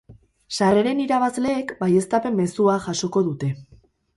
Sarreren irabazleek baieztapen mezua jasoko dute.